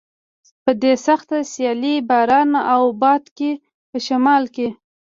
په دې سخته سیلۍ، باران او باد کې په شمال کې.